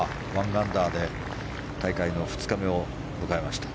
１アンダーで大会の２日目を迎えました。